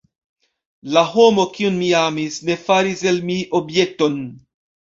La homo, kiun mi amis, ne faris el mi objekton.